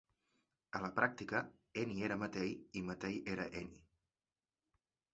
A la pràctica, Eni era Mattei i Mattei era Eni.